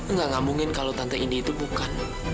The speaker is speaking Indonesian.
nggak ngamungin kalau tante indi itu bukan